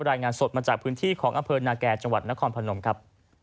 รายงานสดมาจากพื้นที่ของอำเภอนาแก่จังหวัดนครพนมครับ